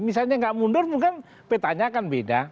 misalnya nggak mundur petanya kan beda